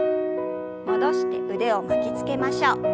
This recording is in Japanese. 戻して腕を巻きつけましょう。